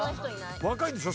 若いんでしょ？